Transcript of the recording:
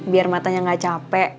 biar matanya gak capek